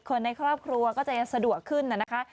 คนในครอบครัวก็จะยังสะดวกขึ้นนะคะ